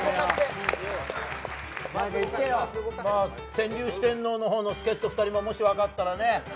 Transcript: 川柳四天王のほうの助っ人２人ももし分かったら。